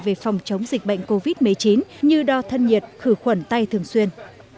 về phòng chống dịch bệnh covid một mươi chín như đo thân nhiệt khử khuẩn tay thường xuyên